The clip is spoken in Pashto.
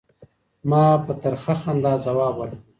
ما په ترخه خندا ځواب ورکړ.